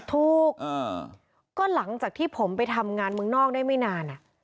ถูกก็หลังจากที่ผมไปทำงานเมืองนอกได้ไม่นาน